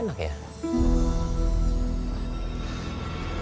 kok ngomongnya gak enak ya